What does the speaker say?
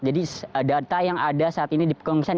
jadi data yang ada saat ini di pengungsian